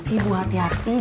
ibu hati hati dong